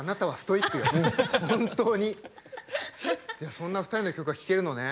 そんな２人の曲が聴けるのね。